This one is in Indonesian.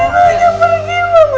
ndina jangan ndina